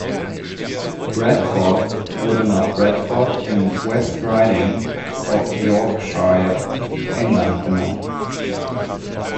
Bradford wurde nach Bradford in West Riding of Yorkshire, England benannt.